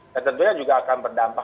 dan tentunya juga akan berdampak